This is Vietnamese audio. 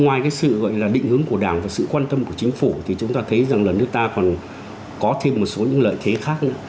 ngoài cái sự gọi là định hướng của đảng và sự quan tâm của chính phủ thì chúng ta thấy rằng là nước ta còn có thêm một số những lợi thế khác nữa